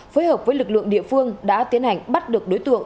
phối hợp với lực lượng địa phương đã tiến hành bắt được đối tượng